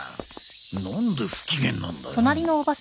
なんで不機嫌なんだよ。